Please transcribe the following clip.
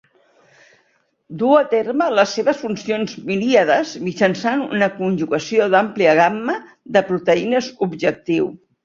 Duu a terme les seves funcions miríades mitjançant una conjugació d'àmplia gamma de proteïnes objectiu.